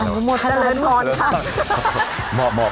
หมดเติมหมดชัด